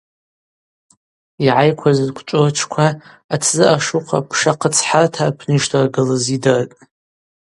Йгӏайкваз зквчӏву ртшква атдзы ашухъа пшахъыцхӏарта апны йшдыргылыз йдыртӏ.